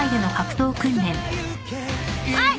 はい！